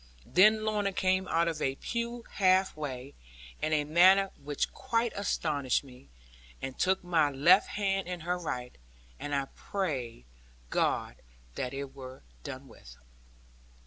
Then Lorna came out of a pew half way, in a manner which quite astonished me, and took my left hand in her right, and I prayed God that it were done with.